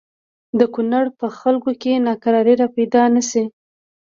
د کونړ په خلکو کې ناکراری را پیدا نه شي.